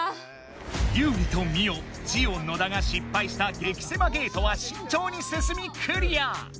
ユウリとミオジオ野田が失敗した激せまゲートはしんちょうに進みクリア。